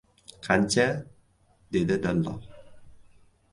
— Qancha? — dedi dallol.